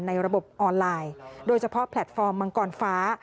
ระบบออนไลน์โดยเฉพาะแพลตฟอร์มมังกรฟ้า